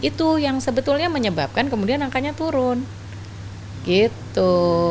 itu yang sebetulnya menyebabkan kemudian angkanya turun gitu